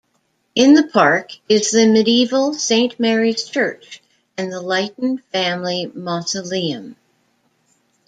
In the park is the medieval Saint Mary's Church and the Lytton family mausoleum.